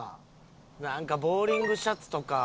なんかボウリングシャツとか。